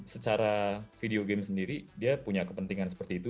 secara video game sendiri dia punya kepentingan seperti itu